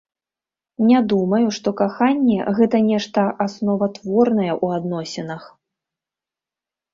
Не думаю, што каханне, гэта нешта асноватворнае ў адносінах.